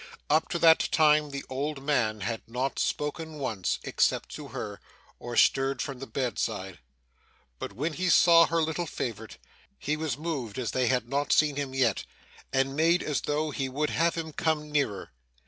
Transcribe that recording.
Up to that time, the old man had not spoken once except to her or stirred from the bedside. But, when he saw her little favourite, he was moved as they had not seen him yet, and made as though he would have him come nearer.